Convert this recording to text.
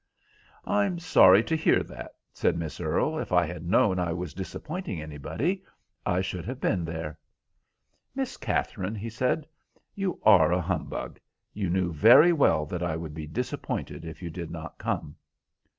"I am sorry to hear that," said Miss Earle; "if I had known I was disappointing anybody I should have been here." "Miss Katherine," he said, "you are a humbug. You knew very well that I would be disappointed if you did not come."